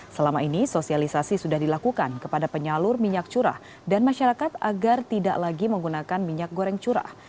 selama ini sosialisasi sudah dilakukan kepada penyalur minyak curah dan masyarakat agar tidak lagi menggunakan minyak goreng curah